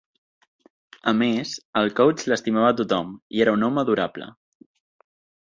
A més, al Coach l'estimava tothom i era un "home adorable".